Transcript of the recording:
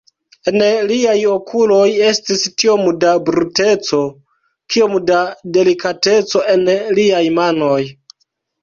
En liaj okuloj estis tiom da bruteco, kiom da delikateco en liaj manoj.